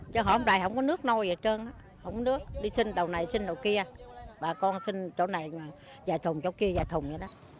chứ hôm nay không có nước nôi gì hết trơn không có nước đi xin đầu này xin đầu kia bà con xin chỗ này vài thùng chỗ kia vài thùng